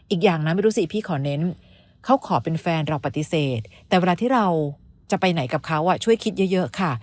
อีกอย่างนะไม่รู้สิพี่ขอเน้นเขาขอเป็นแฟนเราปฏิเสธแต่เวลาที่เราจะไปไหนกับเขาช่วยคิดเยอะค่ะ